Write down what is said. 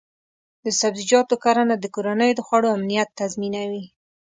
د سبزیجاتو کرنه د کورنیو د خوړو امنیت تضمینوي.